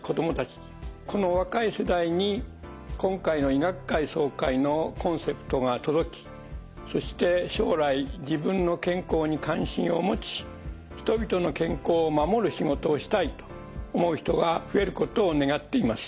この若い世代に今回の医学会総会のコンセプトが届きそして将来自分の健康に関心を持ち人々の健康を守る仕事をしたいと思う人が増えることを願っています。